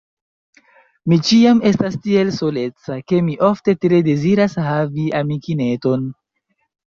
Mi ĉiam estas tiel soleca, ke mi ofte tre deziras havi amikineton.